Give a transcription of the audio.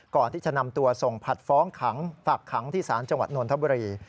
ก่อนที่จะนำตัวส่งผัดฟ้องขังฝากขังที่ศาลจังหวัดนทบุรี